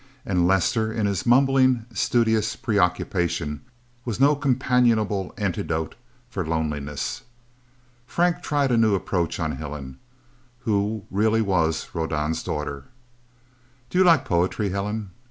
And Lester, in his mumbling, studious preoccupation, was no companionable antidote for loneliness. Frank tried a new approach on Helen, who really was Rodan's daughter. "Do you like poetry, Helen?